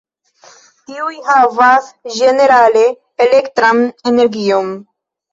Tiuj havas ĝenerale elektran energion.